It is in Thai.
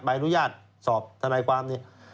อนุญาตสอบทนายความเนี่ย